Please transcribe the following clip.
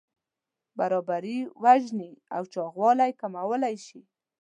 برابري وژنې او چاغوالی کمولی شي.